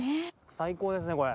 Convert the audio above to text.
最高ですねこれ。